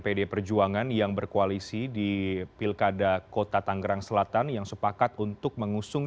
pd perjuangan yang berkoalisi di pilkada kota tanggerang selatan yang sepakat untuk mengusung